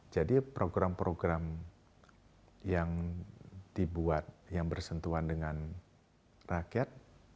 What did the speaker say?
jadi program program yang dibuat yang bersentuhan dengan rakyat